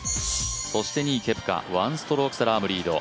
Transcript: そして２位、ケプカ、１ストローク差、ラームがリード。